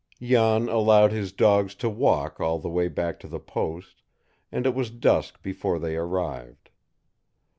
Jan allowed his dogs to walk all the way back to the post, and it was dusk before they arrived.